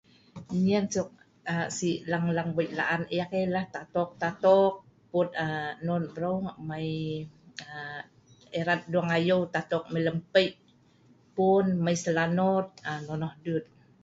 Nyien suk aa…si’ lang-lang wei laan yeh lah tatoq-tatoq, puut aa.. non breu mai aa… erat dueng ayeu tatoq mai lem pei, puun, mai selanot. Nonoh duet